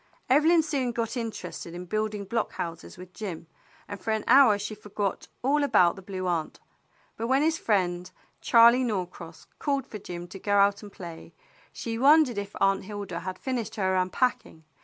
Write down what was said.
Evelyn soon got interested in building block houses with Jim, and for an hour she forgot all about the Blue Aunt; but when his friend, Charley Norcross, called for Jim to go out and play, she wondered if Aunt Hilda had finished her unpacking.